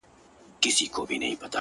زه به په فکر وم. چي څنگه مو سميږي ژوند.